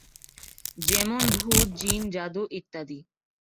যেমন ভূত, জিন, জাদু ইত্যাদি।